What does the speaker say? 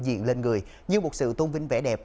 diện lên người như một sự tôn vinh vẻ đẹp